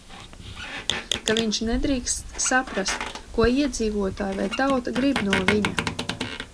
Ka viņš nedrīkst saprast, ko iedzīvotāji vai tauta grib no viņa.